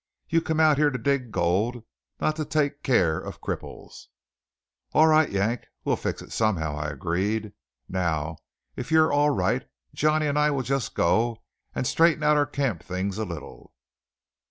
You come out yere to dig gold, not to take keer of cripples." "All right, Yank, we'll fix it somehow," I agreed. "Now if you're all right, Johnny and I will just go and straighten out our camp things a little."